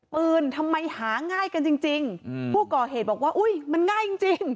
ทำไมหาง่ายกันจริงผู้ก่อเหตุบอกว่าอุ้ยมันง่ายจริงจริง